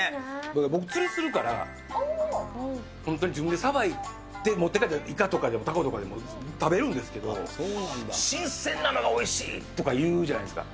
僕釣りするから、本当に自分でさばいて、持って帰って、イカとかでもタコとかでも食べるんですけど、新鮮なのがおいしいとかいうじゃないですか。